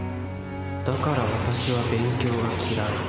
だから私は勉強が嫌い。